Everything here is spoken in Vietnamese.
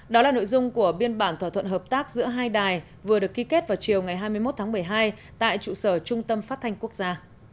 đó là nội dung của biên bản thỏa thuận hợp tác giữa hai đài vừa được ký kết vào chiều ngày hai mươi một tháng một mươi hai tại trụ sở trung tâm phát thanh quốc gia